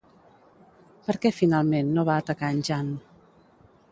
Per què finalment no va atacar en Jan?